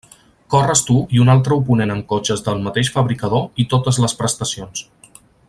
Corres tu i un altre oponent amb cotxes del mateix fabricador i totes les prestacions.